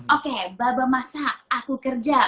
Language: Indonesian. oke baba masak aku kerja